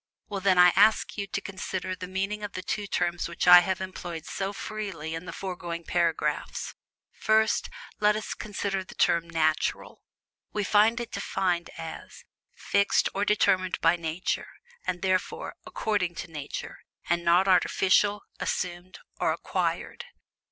Well, then, I ask you to consider the meaning of the two terms which I have employed so freely in the foregoing paragraphs: First, let us consider the term, "NATURAL"; we find it defined as "FIXED OR DETERMINED BY NATURE, AND, THEREFORE, ACCORDING TO NATURE, AND NOT ARTIFICIAL, ASSUMED, OR ACQUIRED."